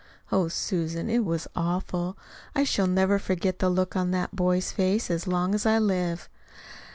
Oh, Susan, it was awful. I shall never forget the look on that boy's face as long as I live."